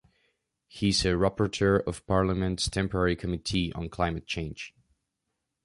He is Rapporteur of Parliament's Temporary Committee on Climate Change.